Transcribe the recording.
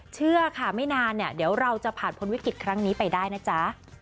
เชื่อค่ะไม่นานเนี่ยเดี๋ยวเราจะผ่านพ้นวิกฤตครั้งนี้ไปได้นะจ๊ะ